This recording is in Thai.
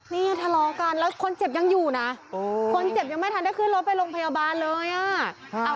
นี่ทะเลาะกันแล้วคนเจ็บยังอยู่นะคนเจ็บยังไม่ทันได้ขึ้นรถไปโรงพยาบาลเลยอ่ะ